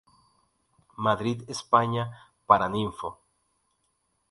Madrid España: Paraninfo.